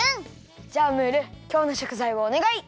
じゃムールきょうのしょくざいをおねがい！